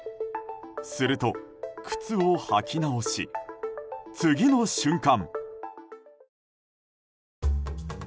すると、靴を履き直し次の瞬間。